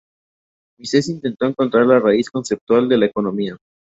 Mises intentó encontrar la raíz conceptual de la economía.